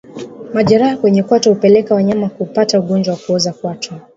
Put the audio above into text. Majeraha kwenye kwato hupelekea wanyama kupata ugonjwa wa kuoza kwato